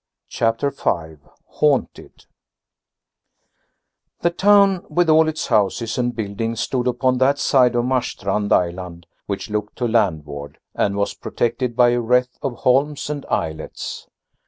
CHAPTER V HAUNTED The town with all its houses and buildings stood upon that side of Marstrand island which looked to landward and was protected by a wreath of holms and islets.